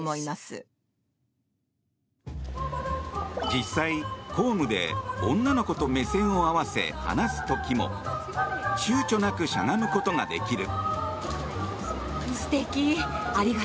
実際、公務で女の子と目線を合わせ話す時もちゅうちょなくしゃがむことができる。